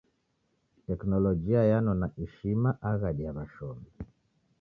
Teknologia yanona ishima aghadi ya washomi.